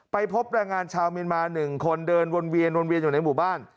พบแรงงานชาวเมียนมา๑คนเดินวนเวียนวนเวียนอยู่ในหมู่บ้าน